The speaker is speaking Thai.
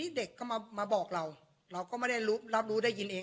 เด็กก็มาบอกเราเราก็ไม่ได้รับรู้ได้ยินเอง